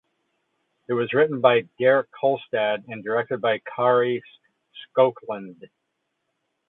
It was written by Derek Kolstad and directed by Kari Skogland.